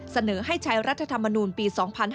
เสนอให้ใช้รัฐธรรมนูลปี๒๕๕๙